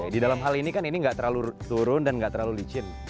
di dalam hal ini kan ini nggak terlalu turun dan nggak terlalu licin